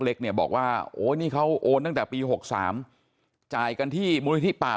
เล็กเนี่ยบอกว่าโอ้ยนี่เขาโอนตั้งแต่ปี๖๓จ่ายกันที่มูลนิธิป่า